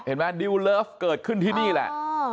เห็นมั้ยดิวเลิฟเกิดขึ้นที่นี่แหละ